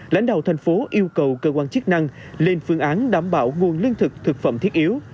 lãnh đạo thành phố yêu cầu cơ quan chức năng lên phương án đảm bảo nguồn lương thực thực phẩm thiết yếu